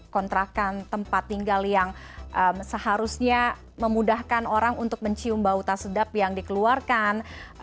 kontrakan tempat tinggal yang seharusnya memudahkan orang untuk mencium bau tak sedap yang dikeluarkan